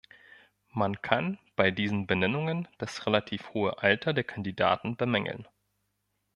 Man kann bei diesen Benennungen das relativ hohe Alter der Kandidaten bemängeln.